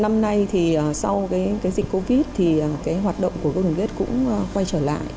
năm nay thì sau dịch covid thì hoạt động của công ty tết cũng quay trở lại